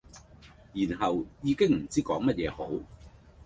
然後已經唔知講乜嘢好